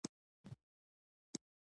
څو ښاريان له يو منظم،